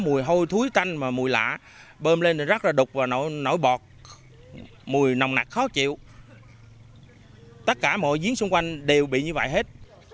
mùi hôi thúi canh và mùi lạ bơm lên thì rác ra đục và nổi bọt mùi nồng nạc khó chịu tất cả mọi giếng xung quanh đều bị như vậy hết